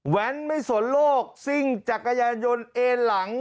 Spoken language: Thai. แว้นไม่สนโลกซิ่งจักรยานยนต์เอ็นหลัง